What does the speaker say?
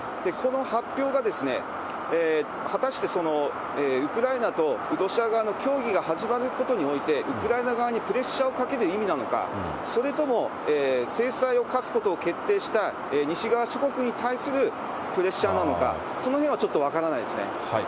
この発表が、果たしてウクライナとロシア側の協議が始まることにおいて、ウクライナ側にプレッシャーをかける意味なのか、それとも、制裁を科すことを決定した、西側諸国に対するプレッシャーなのか、そのへんはちょっと分からないですね。